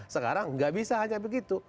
sekarang nggak bisa hanya begitu